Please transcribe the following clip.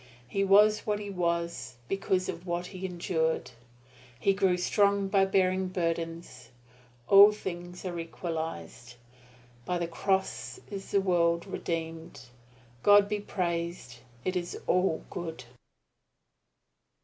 He was what he was because of what he endured. He grew strong by bearing burdens. All things are equalized. By the Cross is the world redeemed. God be praised, it is all good!